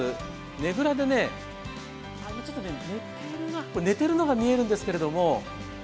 ねぐらでね、寝てるな寝ているのが見えるんですけど。